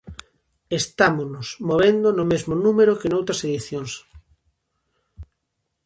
Estámonos movendo no mesmo número que noutras edicións.